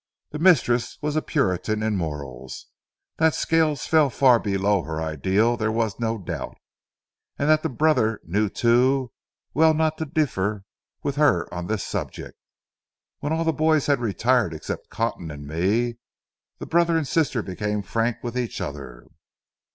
The mistress was a puritan in morals. That Scales fell far below her ideal there was no doubt, and the brother knew too well not to differ with her on this subject. When all the boys had retired except Cotton and me, the brother and sister became frank with each other.